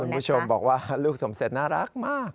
คุณผู้ชมบอกว่าลูกสมเสร็จน่ารักมาก